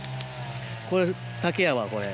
これ竹やわこれ。